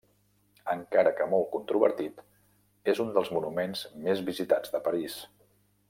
Encara que molt controvertit, és un dels monuments més visitats de París.